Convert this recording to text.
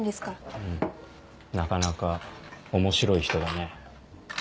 うんなかなか面白い人だね。